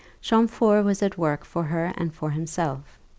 Champfort was at work for her and for himself.